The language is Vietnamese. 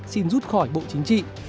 xin rút khỏi bộ chính trị